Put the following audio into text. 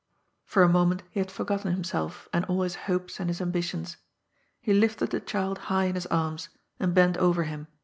For a moment he had forgotten himself, and all his hopes and his ambitions. He lifted the child high in his arms, and bent over him